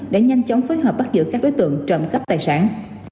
để nhanh chóng phối hợp bắt giữ các đối tượng trộm khắp tài sản